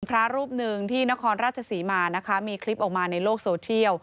พระรูปหนึ่งที่นครราชศรีมานะคะมีคลิปออกมาในโลกโซเทียล